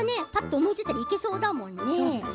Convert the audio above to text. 思い切っていけそうだもんね。